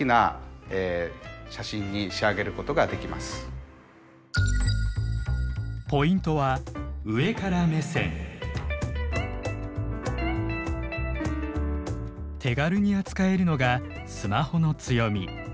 今回はこのポイントは手軽に扱えるのがスマホの強み。